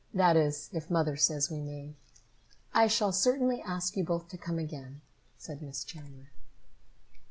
That is, if Mother says we may." "I shall certainly ask you both to come again," said Miss Chandler.